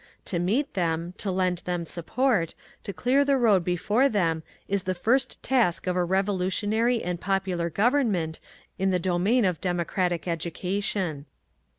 To meet them, to lend them support, to clear the road before them is the first task of a revolutionary and popular government in the domain of democratic education.